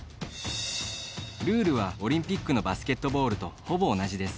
ルールは、オリンピックのバスケットボールとほぼ同じです。